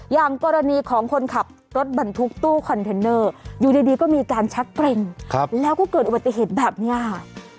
อย่างกรณีของคนขับรถบรรทุกตู้คอนเทนเนอร์อยู่ดีก็มีการชักเกร็งแล้วก็เกิดอุบัติเหตุแบบนี้ค่ะ